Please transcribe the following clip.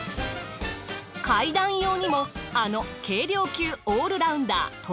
階段用にもあの軽量級オールラウンダートルネオＶ。